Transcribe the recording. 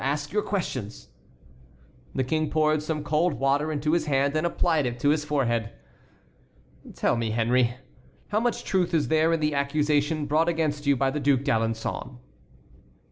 Ask your questions." The King poured some cold water into his hand and applied it to his forehead. "Tell me, Henry, how much truth is there in the accusation brought against you by the Duc d'Alençon?"